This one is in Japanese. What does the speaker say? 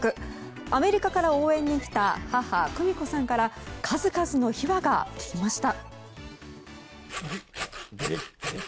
アメリカから応援に来た母・久美子さんから数々の秘話が聞けました。